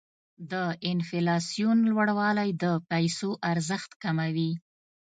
د انفلاسیون لوړوالی د پیسو ارزښت کموي.